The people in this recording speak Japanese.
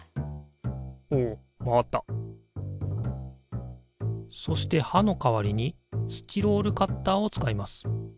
おお回ったそしてはの代わりにスチロールカッターを使います。